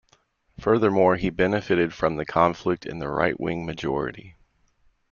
Furthermore, he benefited from the conflict in the right-wing majority.